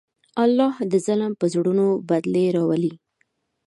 الله د ظلم په زړونو بدلې راولي.